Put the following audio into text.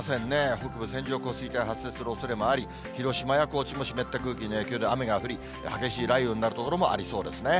北部、線状降水帯発生するおそれもあり、広島や高知も、湿った空気の影響で雨が降り、激しい雷雨になる所もありそうですね。